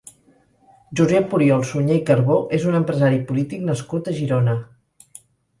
Josep Oriol Suñer i Carbó és un empresari i polític nascut a Girona.